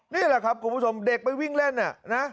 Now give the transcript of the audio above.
นี่แหละครับคุณผู้ชมเด็กไปวิ่งเล่นน่ะนะ